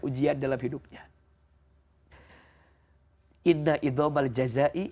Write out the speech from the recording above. ujian dalam hidupnya